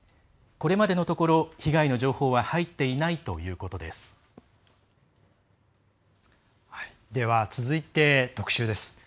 これまでのところ、被害の情報は入っていないということです。